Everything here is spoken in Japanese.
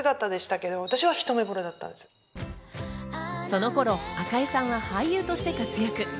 その頃、赤井さんは俳優として活躍。